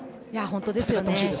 本当ですね。